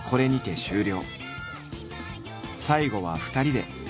最後は２人で。